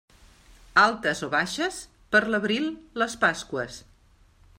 Altes o baixes, per l'abril les Pasqües.